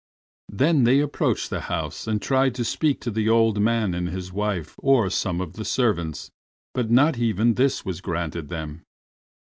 Then they approached the house, and tried to speak to the old man and his wife or some of the servants, but not even this was granted them.